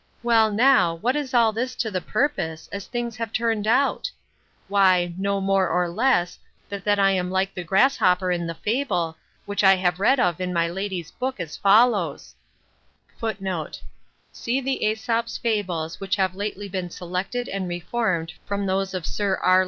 Well now, what is all this to the purpose, as things have turned about? Why, no more nor less, than that I am like the grasshopper in the fable, which I have read of in my lady's book, as follows:—[See the Aesop's Fables which have lately been selected and reformed from those of Sir R.